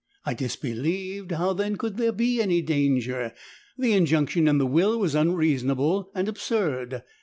I disbelieved! how then could there be any danger! the injunction in the will was unreasonable and absurd.